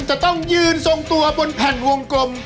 จะต้องยืนทรงตัวบนแผ่นวงกลม